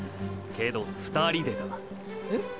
けど「２人」でだ。え？